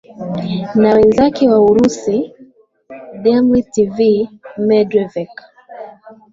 na wenzake wa urusi demritv medrevek